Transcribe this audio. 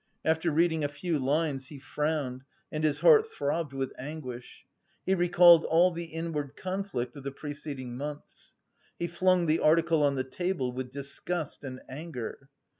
After reading a few lines he frowned and his heart throbbed with anguish. He recalled all the inward conflict of the preceding months. He flung the article on the table with disgust and anger.